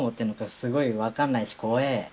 すごい分かんないし怖え！